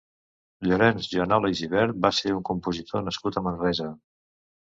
Llorenç Juanola i Gibert va ser un compositor nascut a Manresa.